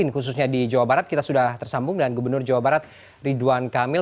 khususnya di jawa barat kita sudah tersambung dengan gubernur jawa barat ridwan kamil